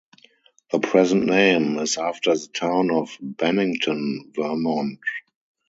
The present name is after the town of Bennington, Vermont.